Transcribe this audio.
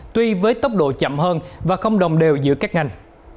tuy với tốc độ chậm hơn và không đồng đều giữa các ngành